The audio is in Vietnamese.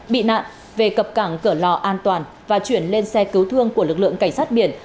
bị nạn về cập cảng cửa lò an toàn và chuyển lên xe cứu thương của lực lượng cảnh sát biển